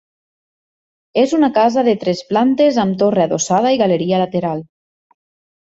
És una casa de tres plantes amb torre adossada i galeria lateral.